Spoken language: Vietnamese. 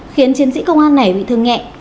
khiến chiến sĩ công an này bị thương nhẹ